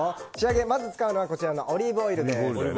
まず使うのはオリーブオイルです。